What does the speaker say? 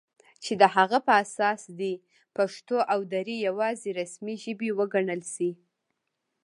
چې د هغه په اساس دې پښتو او دري یواځې رسمي ژبې وګڼل شي